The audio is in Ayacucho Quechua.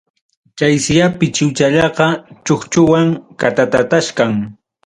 Chaysiya pichiwchallaqa, chukchuwan katatatachkan.